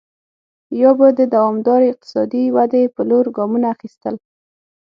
یا به د دوامدارې اقتصادي ودې په لور ګامونه اخیستل.